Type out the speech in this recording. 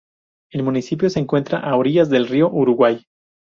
El municipio se encuentra a orillas del río Uruguay.